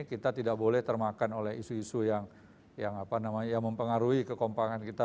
kita tidak boleh termakan oleh isu isu yang mempengaruhi kekompangan kita